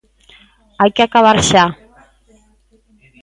Hai que acabar xa.